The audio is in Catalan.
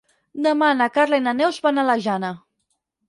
Demà na Carla i na Neus van a la Jana.